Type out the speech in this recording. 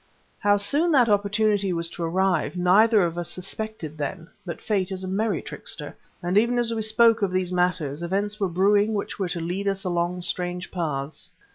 How soon that opportunity was to arise neither of us suspected then; but Fate is a merry trickster, and even as we spoke of these matters events were brewing which were to lead us along strange paths.